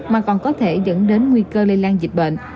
mà còn có thể dẫn đến nguy cơ lây lan dịch bệnh